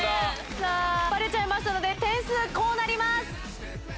さあ、ばれちゃいましたので、点数、こうなります。